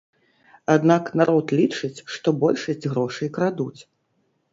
Аднак народ лічыць, што большасць грошай крадуць.